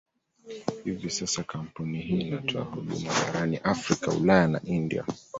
Hivi sasa kampuni hii inatoa huduma barani Afrika, Ulaya na India.